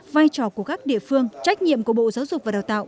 vai trò của các địa phương trách nhiệm của bộ giáo dục và đào tạo